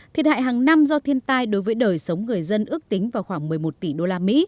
thiệt hại hàng năm do thiên tai đối với đời sống người dân ước tính vào khoảng một mươi một tỷ usd